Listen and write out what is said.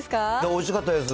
おいしかったです。